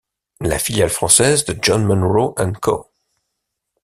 La filiale française de John Munroe & Co.